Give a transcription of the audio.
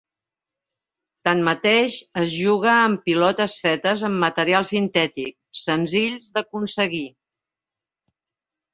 Tanmateix, es juga amb pilotes fetes amb materials sintètics, senzills d'aconseguir.